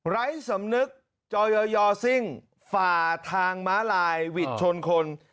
ไร้สำนึกจอยอยอซิ่งฝ่าทางม้าลายหวิดชนคน